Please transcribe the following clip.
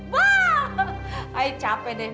wah ay capek deh